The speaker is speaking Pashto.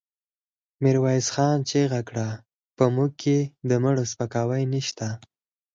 ميرويس خان چيغه کړه! په موږ کې د مړو سپکاوی نشته.